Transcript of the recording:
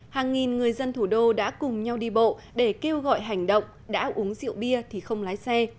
hàng nghìn người dân thủ đô đã cùng nhau đi bộ để kêu gọi hành động đã uống rượu bia thì không lái xe